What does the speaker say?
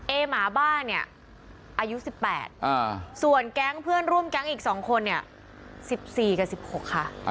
หมาบ้านเนี่ยอายุ๑๘ส่วนแก๊งเพื่อนร่วมแก๊งอีก๒คนเนี่ย๑๔กับ๑๖ค่ะ